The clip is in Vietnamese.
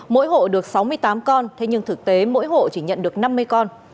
mỗi hộ được sáu mươi tám con thế nhưng thực tế mỗi hộ chỉ nhận được năm mươi con